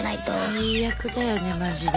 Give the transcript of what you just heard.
最悪だよねマジで。